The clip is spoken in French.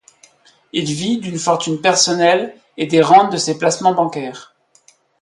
Il vit d'une fortune personnelle et des rentes de ses placements bancaires.